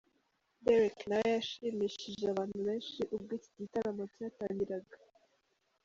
Dereck nawe yashimishije abantu benshi ubwo iki gitaramo cyatangiraga.